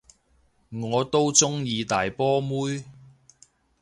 我都鍾意大波妹